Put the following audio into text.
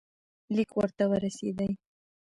لیک ورته ورسېدی.